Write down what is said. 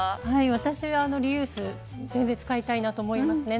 私、リユース全然使いたいなと思いますね。